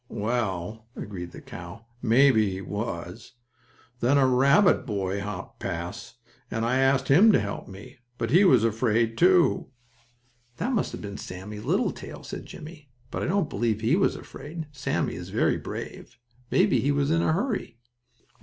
"Well," agreed the cow, "maybe he was. Then a rabbit boy hopped past, and I asked him to help me, but he was afraid, too." "That must have been Sammie Littletail," said Jimmie. "But I don't believe he was afraid. Sammie is very brave. Maybe he was in a hurry."